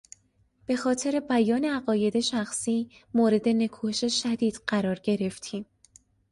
بهخاطر بیان عقاید شخصی مورد نکوهش شدید قرار گرفتیم.